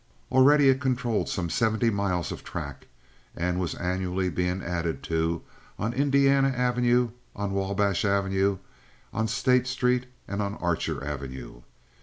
Already it controlled some seventy miles of track, and was annually being added to on Indiana Avenue, on Wabash Avenue, on State Street, and on Archer Avenue.